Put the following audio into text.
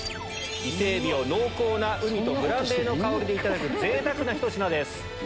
イセエビを濃厚なウニとブランデーの香りでいただく贅沢なひと品です。